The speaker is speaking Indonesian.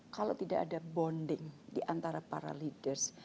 kalau tidak ada bonding di antara para leaders